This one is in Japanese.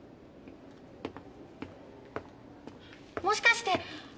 もしかして！